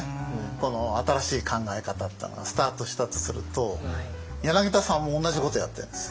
この新しい考え方っていうのがスタートしたとすると柳田さんも同じことやってるんですよ。